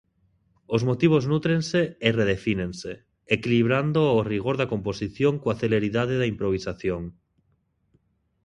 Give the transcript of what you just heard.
Os motivos nútrense e redefínense, equilibrando o rigor da composición coa celeridade da improvisación.